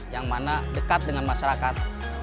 yang mana dekat dengan masyarakat